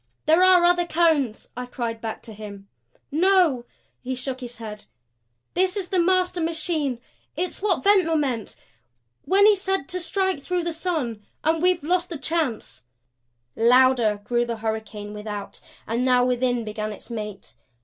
"There are other Cones," I cried back to him. "No," he shook his head. "This is the master machine. It's what Ventnor meant when he said to strike through the sun. And we've lost the chance " Louder grew the hurricane without; and now within began its mate.